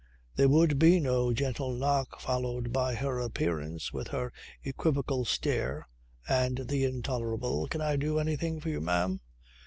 There would be no gentle knock, followed by her appearance with her equivocal stare and the intolerable: "Can I do anything for you, ma'am?"